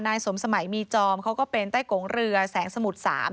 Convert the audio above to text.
สมสมัยมีจอมเขาก็เป็นไต้โกงเรือแสงสมุทร๓